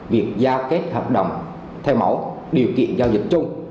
việc giao kết hợp đồng theo mẫu điều kiện giao dịch chung